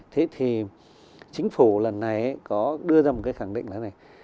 thế thì chính phủ lần này có đưa ra một cái khẳng định là này